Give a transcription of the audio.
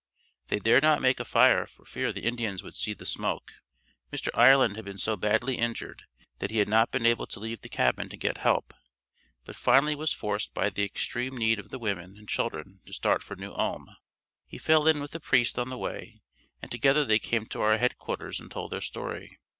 They dared not make a fire for fear the Indians would see the smoke. Mr. Ireland had been so badly injured that he had not been able to leave the cabin to get help, but finally was forced by the extreme need of the women and children to start for New Ulm. He fell in with a priest on the way, and together they came to our headquarters and told their story.